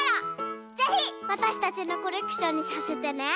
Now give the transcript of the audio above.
ぜひわたしたちのコレクションにさせてね。